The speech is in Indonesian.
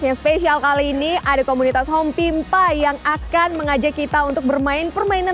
yang spesial kali ini ada komunitas home pimpa yang akan mengajak kita untuk bermain permainan